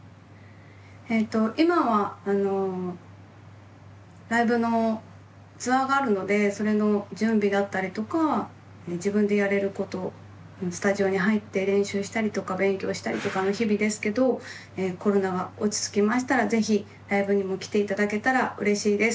えと今はライブのツアーがあるのでそれの準備だったりとか自分でやれることスタジオに入って練習したりとか勉強したりとかの日々ですけどコロナが落ち着きましたら是非ライブにも来て頂けたらうれしいです。